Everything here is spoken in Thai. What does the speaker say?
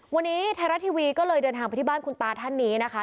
วันนี้ไทยรัฐทีวีก็เลยเดินทางไปที่บ้านคุณตาท่านนี้นะคะ